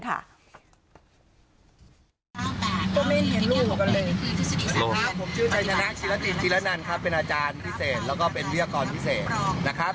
ก็ไม่เห็นลูกผมชื่อชัยชนะชิลจิระนันครับเป็นอาจารย์พิเศษแล้วก็เป็นวิทยากรพิเศษนะครับ